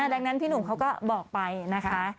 ดังนั้นพี่หนุ่มเขาก็บอกไปนะคะ